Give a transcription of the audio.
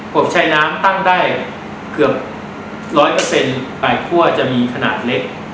กบชัยน้ำตั้งได้เกือบร้อยเปอร์เซ็นต์ปลายคั่วจะมีขนาดเล็ก